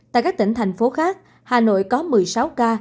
tại các tỉnh thành phố khác hà nội có một mươi sáu ca